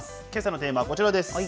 けさのテーマ、こちらです。